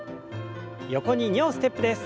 横に２歩ステップです。